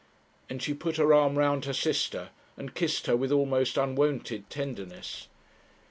and she put her arm round her sister, and kissed her with almost unwonted tenderness.